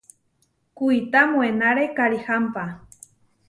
Kuitá moenáre karihámpa.